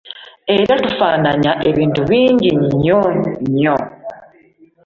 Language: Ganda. Era tufaananya ebintu bingi nnyo nnyo